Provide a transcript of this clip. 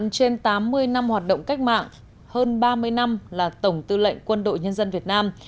một mươi trên tám mươi năm hoạt động cách mạng hơn ba mươi năm là tổng tư lệnh quân đội nhân dân việt nam